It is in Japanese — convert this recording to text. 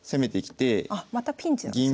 あまたピンチなんですね。